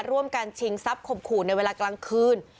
ร่วมกันชิงทรัพย์ข่มขู่ในเวลากลางคืน